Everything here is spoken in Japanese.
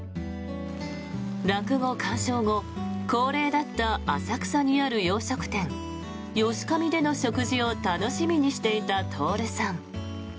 落語鑑賞後、恒例だった浅草にある洋食店ヨシカミでの食事を楽しみにしていた徹さん。